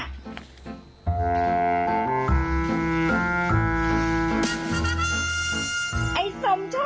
ไอ้สมโชค